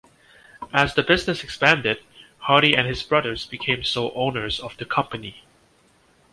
As the business expanded, Hardy and his brothers became sole owners of the company.